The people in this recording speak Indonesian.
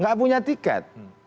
tidak punya tiket